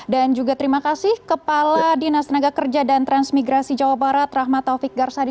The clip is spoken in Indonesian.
dan juga terima kasih kepala dinas tenaga kerja dan transmigrasi jawa barat rahmat taufik garsadi